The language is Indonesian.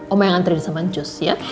om mayang antri di samancus ya